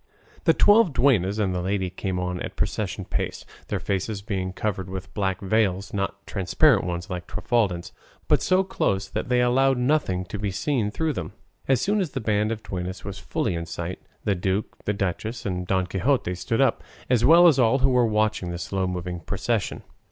The twelve duennas and the lady came on at procession pace, their faces being covered with black veils, not transparent ones like Trifaldin's, but so close that they allowed nothing to be seen through them. As soon as the band of duennas was fully in sight, the duke, the duchess, and Don Quixote stood up, as well as all who were watching the slow moving procession.